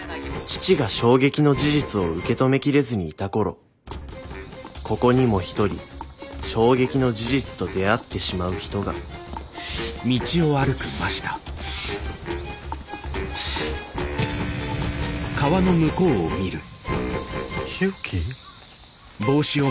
父が衝撃の事実を受け止めきれずにいた頃ここにも一人衝撃の事実と出会ってしまう人が日置？